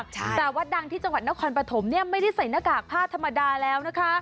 แต่วัดดังที่จังหวัดนครปฐมเนี่ยไม่ได้ใส่หน้ากากผ้าธรรมดาแล้วนะคะ